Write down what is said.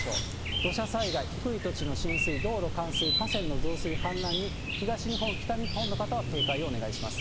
土砂災害、低い土地の浸水、道路冠水、河川の増水、氾濫に東日本、北日本の方は警戒をお願いします。